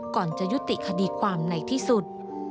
ก่อนจะยุติคดีความในที่สุด